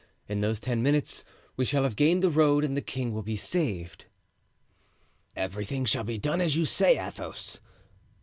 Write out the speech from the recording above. In those ten minutes we shall have gained the road and the king will be saved." "Everything shall be done as you say, Athos.